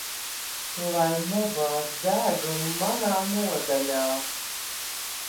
Lai nebāž degunu manā nodaļā.